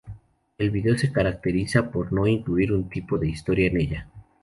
El vídeo se caracteriza por no incluir un tipo de historia en ella.